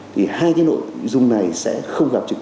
thì hai cái nội dung này sẽ không gặp trực